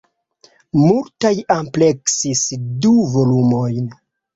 Multaj ampleksis du volumojn.